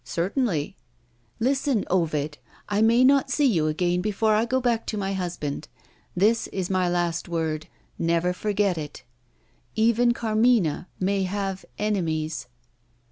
"Certainly!" "Listen, Ovid! I may not see you again before I go back to my husband. This is my last word never forget it. Even Carmina may have enemies!"